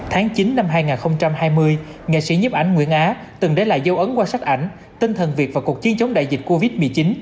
tháng chín năm hai nghìn hai mươi nghệ sĩ nhấp ảnh nguyễn á từng để lại dấu ấn quan sát ảnh tinh thần việt và cuộc chiến chống đại dịch covid một mươi chín